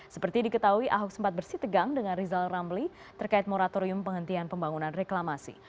seperti diketahui ahok sempat bersih tegang dengan rizal ramli terkait moratorium penghentian pembangunan reklamasi